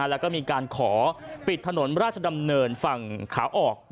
แล้วก็มีการขอปิดถนนราชดำเนินฝั่งขาออก